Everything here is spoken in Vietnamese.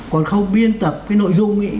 còn khâu biên tập cái nội dung ấy